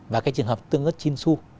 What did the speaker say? và cái trường hợp tương ớt chinsu